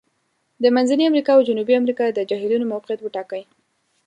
د منځني امریکا او جنوبي امریکا د جهیلونو موقعیت وټاکئ.